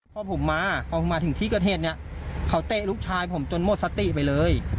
พอผมมาพอผมมาถึงที่เกิดเหตุเนี่ยเขาเตะลูกชายผมจนหมดสติไปเลย